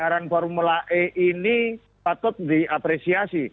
gelaran formula e ini patut diapresiasi